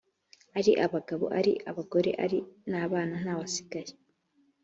ari abagabo, ari abagore, ari n’abana ntawasigaye.